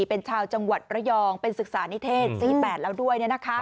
เป็นชาวจังหวัดระยองเป็นศึกษานิเทศ๔๘แล้วด้วย